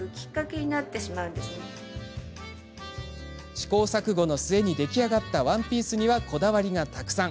試行錯誤の末に出来上がったワンピースにはこだわりがたくさん。